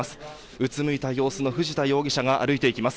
うつむいた様子の藤田容疑者が歩いていきます。